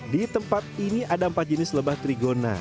di tempat ini ada empat jenis lebah trigona